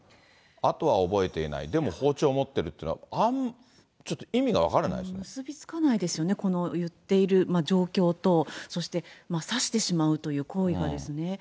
あとは覚えていない、でも包丁を持ってるっていうのは、ちょっと結び付かないですよね、この言っている状況と、そして刺してしまうという行為がですね。